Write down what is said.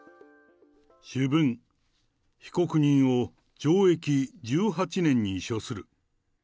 主文、被告人を懲役１８年に処する。